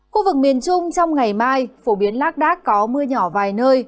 khu vực miền trung trong ngày mai phổ biến lác đác có mưa nhỏ vài nơi